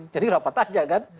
jadi rapat aja kan